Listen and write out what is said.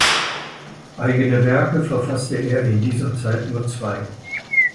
Eigene Werke verfasste er in dieser Zeit nur zwei.